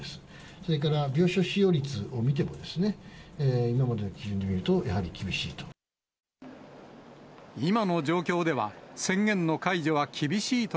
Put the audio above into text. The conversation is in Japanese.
それから病床使用率を見てもですね、今までの基準で見ると、やはり厳しいと。